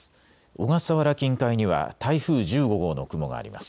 小笠原近海には台風１５号の雲があります。